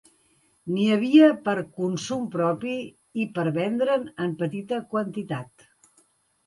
N'hi havia per consum propi i per vendre'n en petita quantitat.